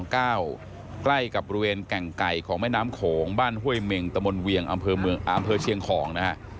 ใกล้กับบริเวณกางไกของไม้น้ำโขงบ้านเฮ่ยเมงตมเวียงอำเภอเชียงคอง